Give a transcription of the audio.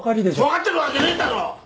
わかってるわけねえだろ！